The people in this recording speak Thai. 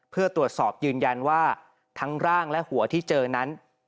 เพื่อตรวจสอบยืนยันว่าทั้งร่างและหัวที่เจอนั้น